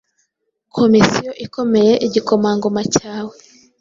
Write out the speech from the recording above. komisiyo ikomeye igikomangoma cyawe